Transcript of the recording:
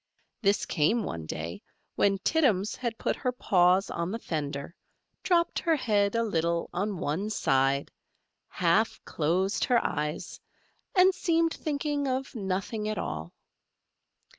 This came one day, when Tittums had put her paws on the fender, dropped her head a little on one side, half closed her eyes, and seemed thinking of nothing at all.